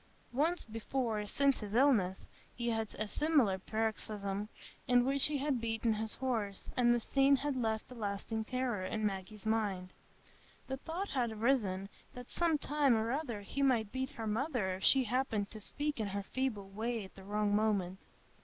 Once before, since his illness, he had had a similar paroxysm, in which he had beaten his horse, and the scene had left a lasting terror in Maggie's mind. The thought had risen, that some time or other he might beat her mother if she happened to speak in her feeble way at the wrong moment.